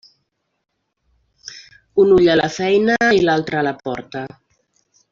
Un ull a la feina i l'altre a la porta.